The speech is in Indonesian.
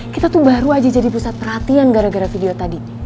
kita tuh baru aja jadi pusat perhatian gara gara video tadi